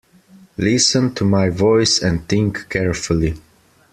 Listen to my voice and think carefully.